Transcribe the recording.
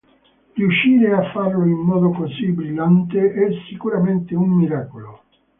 Riuscire a farlo in modo così brillante è sicuramente un miracolo.